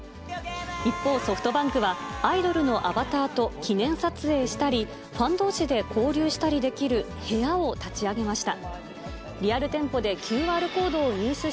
一方、ソフトバンクは、アイドルのアバターと記念撮影したり、ファンどうしで交流したりできる部屋を立ち上げました。